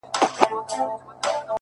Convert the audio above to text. ستا د دواړو سترگو سمندر گلي؛